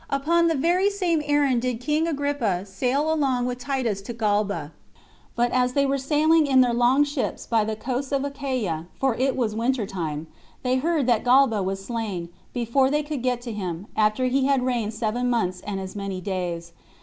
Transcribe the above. Upon the very same errand did king Agrippa sail along with Titus to Galba; but as they were sailing in their long ships by the coasts of Achaia, for it was winter time, they heard that Galba was slain, before they could get to him, after he had reigned seven months and as many days.